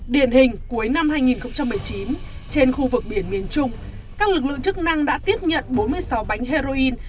điển hình cuối năm hai nghìn một mươi chín trên khu vực biển miền trung các lực lượng chức năng đã tiếp nhận bốn mươi sáu bánh heroin